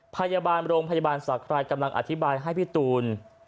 พยาบาลโรงพยาบาลศาครายกำลังอธิบายให้พี่ตูน